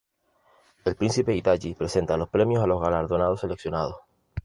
El príncipe Hitachi presenta los premios a los galardonados seleccionados.